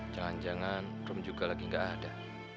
jangan jangan rum juga lagi gak ada